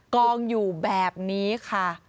กองอยู่แบบนี้ค่ะ